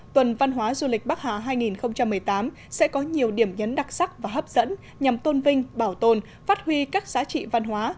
tuần văn hóa du lịch bắc hà hai nghìn một mươi tám sẽ có nhiều điểm nhấn đặc sắc và hấp dẫn nhằm tôn vinh bảo tồn phát huy các giá trị văn hóa